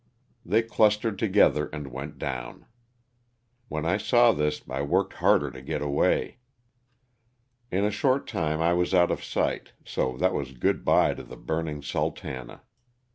They clustered together and went down. When I saw this I worked harder to get away. In a short time I was out of sight, so that was good bye to the burning '* Sultana."